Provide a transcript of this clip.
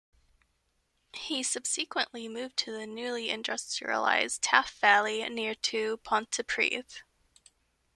He subsequently moved to the newly industrialised Taff Valley near to Pontypridd.